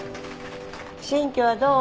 新居はどう？